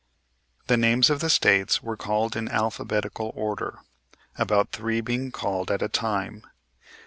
The names of the States were called in alphabetical order, about three being called at a time.